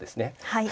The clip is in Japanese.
はい。